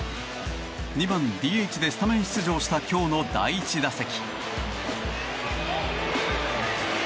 ２番ＤＨでスタメン出場した今日の第１打席。